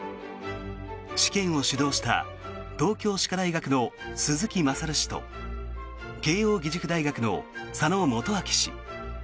試験を主導した東京歯科大学の鈴木昌氏と慶應義塾大学の佐野元昭氏。